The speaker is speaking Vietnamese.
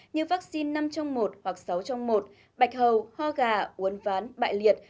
như vaccine năm trong một hoặc sáu trong một bạch hầu ho gà uốn ván bại liệt